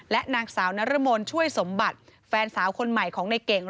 และนางสาวนรมนช่วยสมบัติแฟนสาวคนใหม่ของในเก่ง